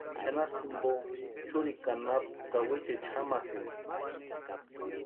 Xanharu jimpo churikwa anapu kawichaecha jamasïnti.